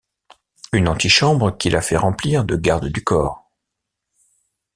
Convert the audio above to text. Une antichambre qu’il a fait remplir de gardes du corps.